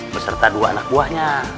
beserta dua anak buahnya